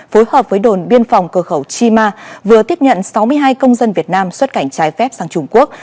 phối hợp với đồn biên phòng cửa khẩu chi ma vừa tiếp nhận sáu mươi hai công dân việt nam xuất cảnh trái phép sang trung quốc